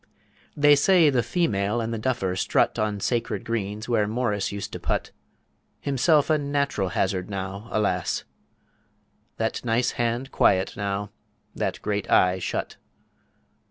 They say the Female and the Duffer strut On sacred Greens where Morris used to put; Himself a natural Hazard now, alas! That nice hand quiet now, that great Eye shut.